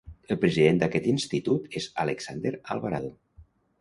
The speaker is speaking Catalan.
El president d'aquest institut és Alexander Alvarado.